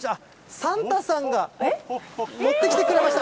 サンタさんが、持ってきてくれました。